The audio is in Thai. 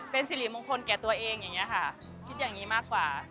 เป็นสิริมงคลแก่ตัวเองอย่างนี้ค่ะคิดอย่างนี้มากกว่า